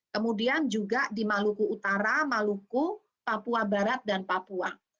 kemudian juga di maluku utara maluku papua barat dan papua